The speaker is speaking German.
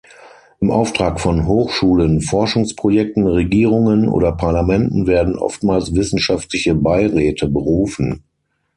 Im Auftrag von Hochschulen, Forschungsprojekten, Regierungen oder Parlamenten werden oftmals wissenschaftliche Beiräte berufen.